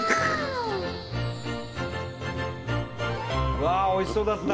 うわおいしそうだった！